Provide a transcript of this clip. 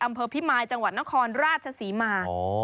อำเภอพิมายจังหวัดนครราชศรีมาก